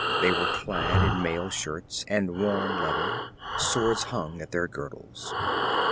They were clad in mail shirts and worn leather; swords hung at their girdles.